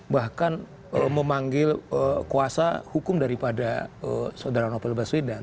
bahkan memanggil kuasa hukum daripada saudara novel baswedan